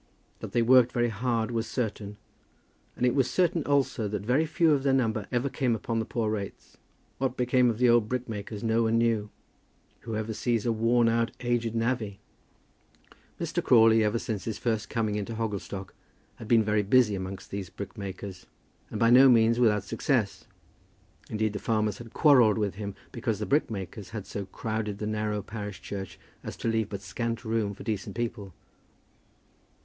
That they worked very hard was certain; and it was certain also that very few of their number ever came upon the poor rates. What became of the old brickmakers no one knew. Who ever sees a worn out aged navvie? Mr. Crawley, ever since his first coming into Hogglestock, had been very busy among these brickmakers, and by no means without success. Indeed the farmers had quarrelled with him because the brickmakers had so crowded the narrow parish church, as to leave but scant room for decent people.